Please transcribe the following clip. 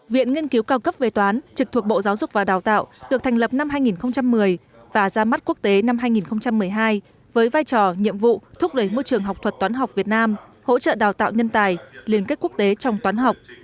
viện nghiên cứu cao cấp về toán trực thuộc bộ giáo dục và đào tạo được thành lập năm hai nghìn một mươi và ra mắt quốc tế năm hai nghìn một mươi hai với vai trò nhiệm vụ thúc đẩy môi trường học thuật toán học việt nam hỗ trợ đào tạo nhân tài liên kết quốc tế trong toán học